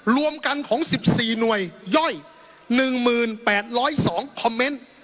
รวมกันของสิบสี่หน่วยย่อยหนึ่งหมื่นแปดร้อยสองคอมเมนต์